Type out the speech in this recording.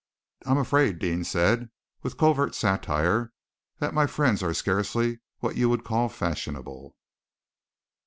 "I am afraid," Deane said, with covert satire, "that my friends are scarcely what you would call fashionable."